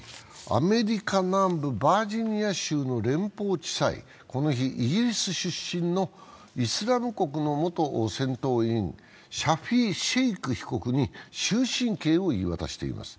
アメリカ南部バージニア州の連邦地裁、この日、イギリス出身のイスラム国の元戦闘員、シャフィー・シェイク被告に終身刑を言い渡しています。